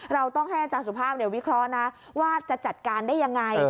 เราต้องให้อาจารย์สุภาพวิเคราะห์นะว่าจะจัดการได้ยังไง